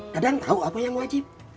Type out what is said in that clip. dadang tau apa yang wajib